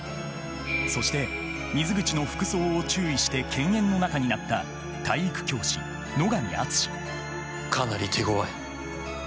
そして水口の服装を注意して犬猿の仲になった体育教師野上厚かなり手ごわい。